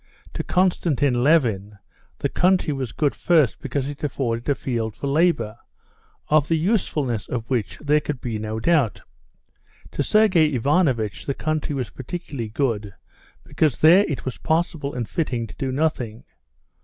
To Konstantin Levin the country was good first because it afforded a field for labor, of the usefulness of which there could be no doubt. To Sergey Ivanovitch the country was particularly good, because there it was possible and fitting to do nothing.